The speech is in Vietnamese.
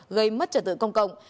gây mất trả tự công cộng